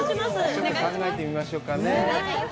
ちょっと考えてみましょうかね